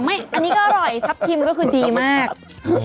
อันนี้ก็อร่อยทัพทิมก็คือดีมาก